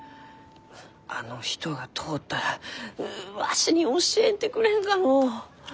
あの人が通ったらううわしに教えてくれんかのう？